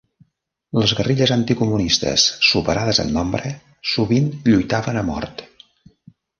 Les guerrilles anticomunistes, superades en nombre, sovint lluitaven a mort.